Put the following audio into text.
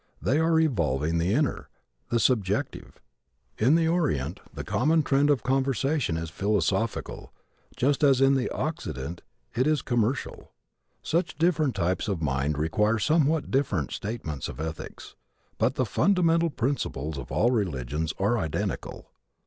They are evolving the inner, the subjective. In the Orient the common trend of conversation is philosophical, just as in the Occident it is commercial. Such different types of mind require somewhat different statements of ethics, but the fundamental principles of all religions are identical.